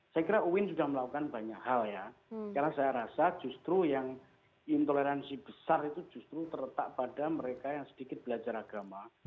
saya kira uin sudah melakukan banyak hal ya karena saya rasa justru yang intoleransi besar itu justru terletak pada mereka yang sedikit belajar agama